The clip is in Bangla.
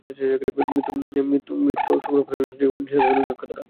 মত্স্য সংরক্ষণ আইন অনুযায়ী, নিষেধাজ্ঞাকালীন জাটকা ধরা, সংরক্ষণ, পরিবহন, বিপণন দণ্ডনীয় অপরাধ।